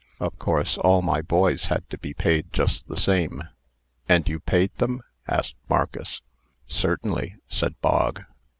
Of course, all my boys had to be paid just the same." "And you paid them?" asked Marcus. "Certainly," said Bog.